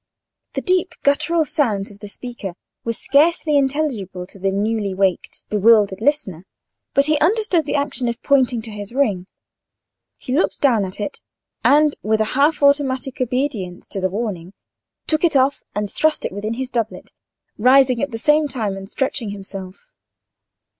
The deep guttural sounds of the speaker were scarcely intelligible to the newly waked, bewildered listener, but he understood the action of pointing to his ring: he looked down at it, and, with a half automatic obedience to the warning, took it off and thrust it within his doublet, rising at the same time and stretching himself.